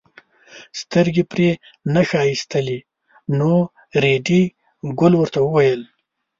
سترګې پرې نه ښایستلې نو ریډي ګل ورته وویل.